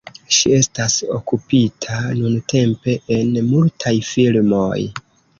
Ŝi estas okupita nuntempe en multaj filmoj.